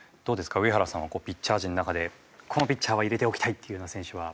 上原さんはピッチャー陣の中でこのピッチャーは入れておきたいっていうような選手は？